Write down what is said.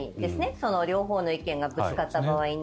その両方の意見がぶつかった場合に。